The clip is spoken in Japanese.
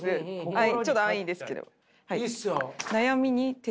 はい。